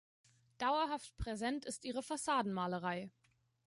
Dauerhaft präsent ist ihre Fassadenmalerei.